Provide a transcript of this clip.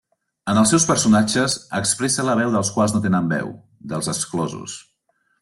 En els seus personatges expressa la veu dels quals no tenen veu, dels exclosos.